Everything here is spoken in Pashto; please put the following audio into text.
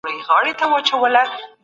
د فشار مقابله د تمرین په څېر دی.